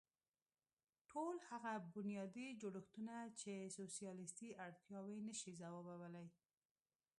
ټول هغه بنیادي جوړښتونه چې سوسیالېستي اړتیاوې نه شي ځوابولی.